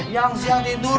yang siang tidur